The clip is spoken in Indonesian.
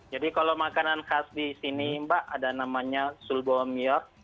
jadi kalau makanan khas di sini mbak ada namanya sulbo miyak